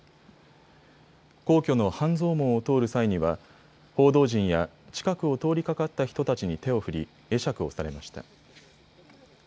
皇居の半蔵門を通る際には報道陣や近くを通りかかった人たちに手を振り会釈をされました。